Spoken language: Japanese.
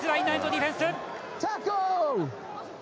ディフェンス。